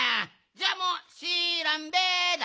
じゃあもうしらんべだ。